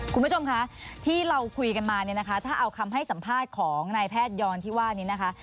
คุณผู้ชมคะที่เราคุยกันมาเนี่ยนะคะถ้าเอาคำให้สัมภาษณ์ของนายแพทยอนที่ว่านี้นะคะ